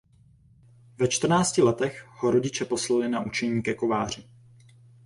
Ve čtrnácti letech ho rodiče poslali na učení ke kováři.